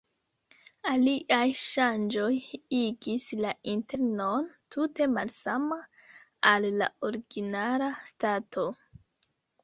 Aliaj ŝanĝoj igis la internon tute malsama al la originala stato.